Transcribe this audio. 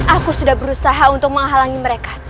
aku sudah berusaha untuk menghalangi mereka